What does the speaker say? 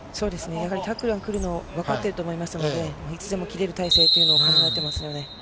やっぱりタックルが来るのを分かってると思いますので、いつでも切れる体勢というのを考えていますよね。